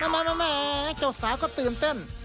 แม่เจ้าสาวก็ตื่นเต้น